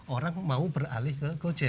orang mau beralih ke gojek